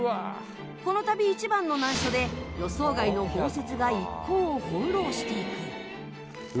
この旅一番の難所で予想外の豪雪が一行を翻弄していく。